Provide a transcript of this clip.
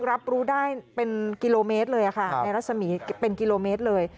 รับรู้ได้เป็นกิโลเมตรเลยค่ะในรัศมีเป็นกิโลเมตรเลย